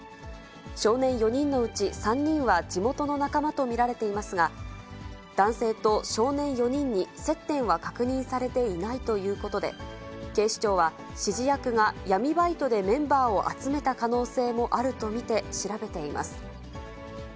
少年４人のうち３人は地元の仲間と見られていますが、男性と少年４人に接点は確認されていないということで、警視庁は、指示役が闇バイトでメンバーを集めた可能性もあると見て調べています。